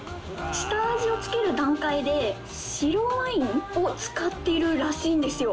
下味を付ける段階で白ワインを使っているらしいんですよ。